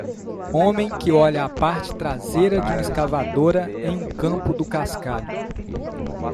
Homem que olha a parte traseira de uma escavadora em um campo do cascalho.